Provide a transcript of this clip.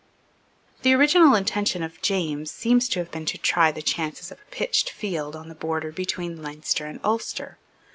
The original intention of James seems to have been to try the chances of a pitched field on the border between Leinster and Ulster.